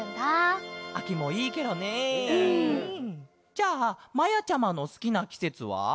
じゃあまやちゃまのすきなきせつは？